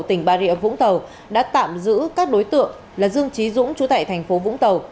tỉnh bà rịa vũng tàu đã tạm giữ các đối tượng là dương trí dũng chú tại thành phố vũng tàu